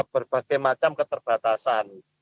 berbagai macam keterbatasan